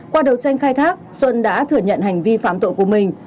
qua đầu tranh khai thác xuân đã thừa nhận hành vi phám tội của mình